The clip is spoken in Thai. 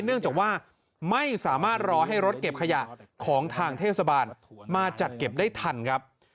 เนื่องจากว่าไม่สามารถรอให้รถเก็บขยะของทางเทศบาลมาจัดเก็บได้ทันครับ